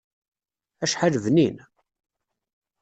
Acḥal bnin!